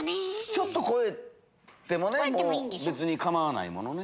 ちょっと超えても別に構わないものね。